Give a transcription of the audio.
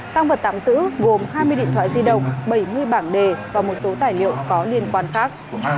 tăng vật tạm giữ gồm hai mươi điện thoại di động bảy mươi bảng đề và một số tài liệu có liên quan khác